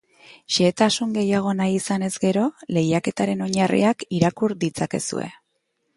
Xehetasun gehiago nahi izanez gero, lehiaketaren oinarriak irakur ditzakezue.